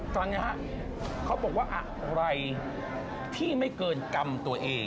ตอนนี้ฮะเขาบอกว่าอะไรที่ไม่เกินกรรมตัวเอง